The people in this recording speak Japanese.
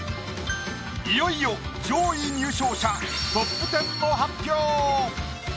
いよいよ上位入賞者トップ１０の発表。